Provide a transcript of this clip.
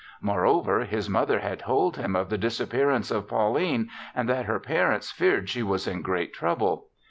Moreover, his mother had told him of the disappearance of Pauline and that her parents feared she was in great trouble.